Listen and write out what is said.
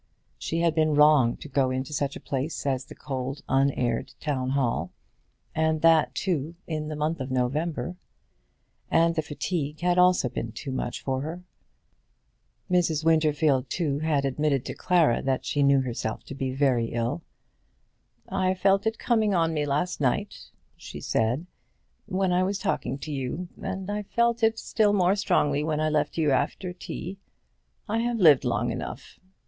She had been wrong to go into such a place as the cold, unaired Town hall, and that, too, in the month of November; and the fatigue had also been too much for her. Mrs. Winterfield, too, had admitted to Clara that she knew herself to be very ill. "I felt it coming on me last night," she said, "when I was talking to you; and I felt it still more strongly when I left you after tea. I have lived long enough.